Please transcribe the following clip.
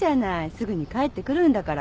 すぐに帰ってくるんだから。